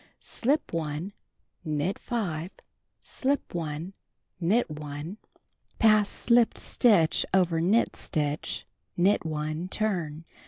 Slip 1, knit 5, slip 1, knit 1, pass slipped stitch over knit stitch, knit 1, turn.